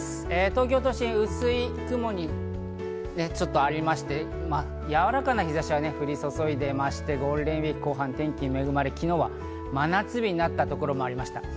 東京都心、薄い雲にやわらかな日差しが降り注いでいまして、ゴールデンウイーク後半、天気に恵まれ、昨日は真夏日になったところもありました。